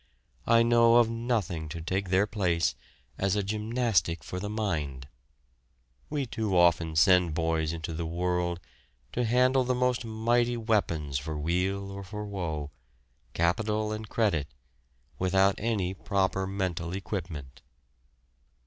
I know of nothing to take their place as a gymnastic for the mind. We too often send boys into the world to handle the most mighty weapons for weal or for woe, "capital and credit," without any proper mental equipment.